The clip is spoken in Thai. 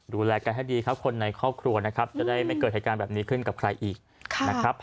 ดูแลกันให้ดีครับคนในครอบครัวนะครับจะได้ไม่เกิดเหตุการณ์แบบนี้ขึ้นกับใครอีกนะครับ